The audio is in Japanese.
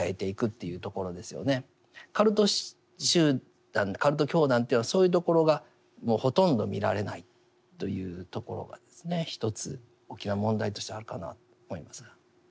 カルト集団カルト教団というのはそういうところがほとんど見られないというところがですね一つ大きな問題としてあるかなと思いますが。